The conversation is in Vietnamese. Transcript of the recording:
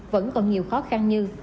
vẫn còn nhiều khó khăn như